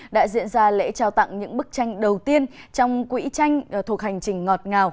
đã diễn ra lễ trao tặng những bức tranh đầu tiên trong quỹ tranh thuộc hành trình ngọt ngào